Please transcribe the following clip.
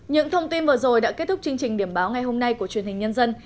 những thông tin vừa rồi đã kết thúc chương trình điểm báo ngày hôm nay của truyền hình nhân dân